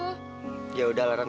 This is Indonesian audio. yaudah ran kamu gak usah nyalain candy